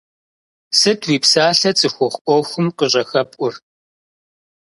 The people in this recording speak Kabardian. Сыт уи псалъэ цӀыхухъу Ӏуэхум къыщӀыхэпӀур?